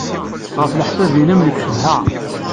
Ɣef leḥsab-nnem, nekk cebḥeɣ?